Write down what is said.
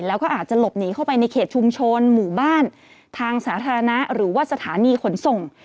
แล้วก็อาจจะหลบหนีเข้าไปในเขตชุมชนหมู่บ้านทางสาธารณะหรือว่าสถานีขนส่ง